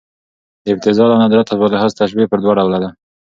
د ابتذال او ندرت په لحاظ تشبیه پر دوه ډوله ده.